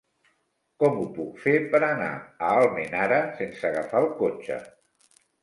Com ho puc fer per anar a Almenara sense agafar el cotxe?